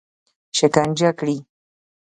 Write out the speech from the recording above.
شکنجه کړي.